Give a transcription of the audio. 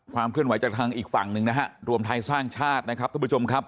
เคลื่อนไหวจากทางอีกฝั่งหนึ่งนะฮะรวมไทยสร้างชาตินะครับทุกผู้ชมครับ